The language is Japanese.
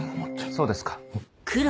そうですか。